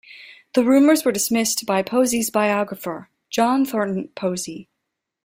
The rumors were dismissed by Posey's biographer, John Thornton Posey.